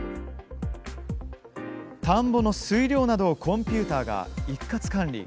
田んぼの水量などをコンピュータが一括管理。